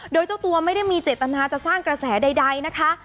โดยเจ้าตัวไม่ได้มีเจตนาจะสร้างกระแสใดนะคะ